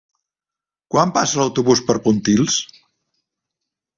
Quan passa l'autobús per Pontils?